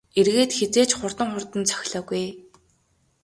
Эргээд хэзээ ч хурдан хурдан цохилоогүй ээ.